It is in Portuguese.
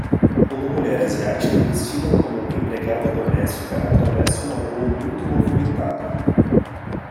Uma mulher asiática vestida como empregada doméstica atravessa uma rua muito movimentada.